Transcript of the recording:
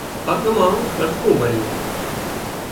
پڳ مان ٻٽڪُون ڀريون